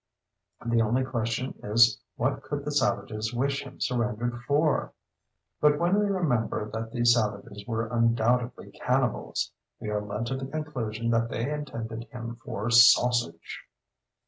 The only question is what could the savages wish him surrendered for. But when we remember that these savages were undoubtedly cannibals, we are led to the conclusion that they intended him for sausage.